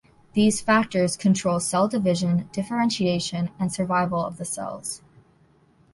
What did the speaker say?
These factors control cell division, differentiation, and survival of the cells.